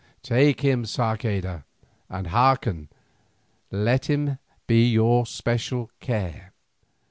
Take him, Sarceda, and hearken, let him be your especial care.